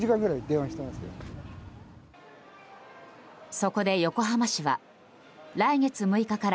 そこで横浜市は来月６日から